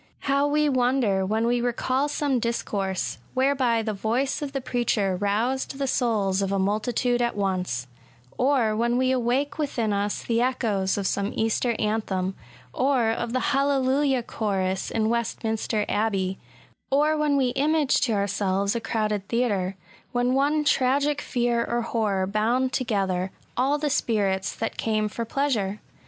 How we wonder when we recal some discourse, whereby the voice of the preacher roused the souls of a multi tude at once,^ — or when we awake within us the echoes of some Easter anthem, or of the Hallelujah Chorus in Westminster Abbey, — or when we image to ourselves a crowded theatre, when one tragic fear or horror bound together all the spirits that came for pleasure